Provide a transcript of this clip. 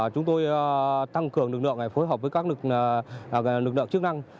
chúng tôi tăng cường lực lượng phối hợp với các lực lượng chức năng